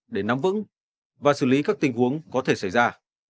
để nắm vững và xử lý các tình huống có thể xảy ra